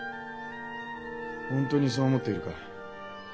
本当にそう思っているか？